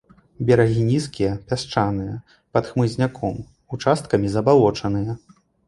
Берагі нізкія, пясчаныя, пад хмызняком, участкамі забалочаныя.